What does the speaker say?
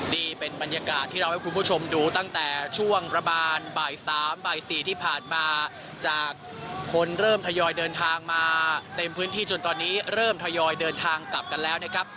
นี่เป็นบรรยากาศที่เราให้คุณผู้ชมดูตั้งแต่ช่วงประมาณบ่ายสามบ่ายสี่ที่ผ่านมาจากคนเริ่มทยอยเดินทางมาเต็มพื้นที่จนตอนนี้เริ่มทยอยเดินทางกลับกันแล้วนะครับ